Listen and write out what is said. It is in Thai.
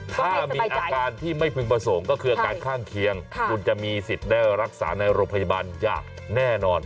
ถ้ามีอาการที่ไม่พึงประสงค์ก็คืออาการข้างเคียงคุณจะมีสิทธิ์ได้รักษาในโรงพยาบาลอย่างแน่นอน